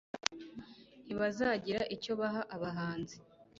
ntibazagira icyo baha abanzi